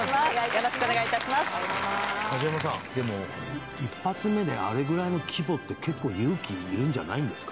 よろしくお願いいたします梶山さんでも一発目であれぐらいの規模って結構勇気いるんじゃないんですか？